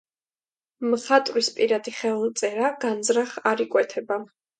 მხატვრის პირადი ხელწერა განზრახ არ იკვეთება.